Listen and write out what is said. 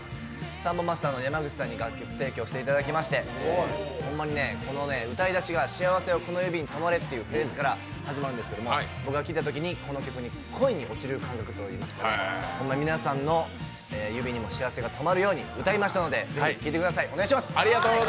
サンボマスターの山口さんに楽曲提供していただきまして、ホンマに歌いだしが「しあわせはこの指にとまれ」っていうフレーズから始まるんですけれども、僕は聴いたときにこの曲に恋に落ちる感覚といいますか、皆さんの指にも恋がとまるように歌いましたので聴いてください、お願いします。